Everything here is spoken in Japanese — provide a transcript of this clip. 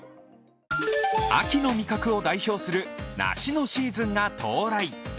秋の味覚を代表する梨のシーズンが到来。